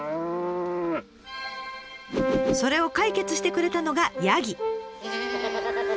それを解決してくれたのがヤギ。